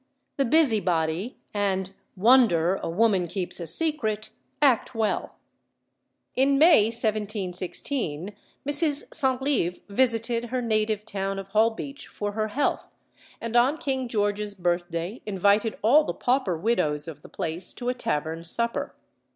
"The Busybody," and "Wonder; a Woman keeps a Secret," act well. In May, 1716, Mrs. Centlivre visited her native town of Holbeach for her health, and on King George's birthday invited all the pauper widows of the place to a tavern supper.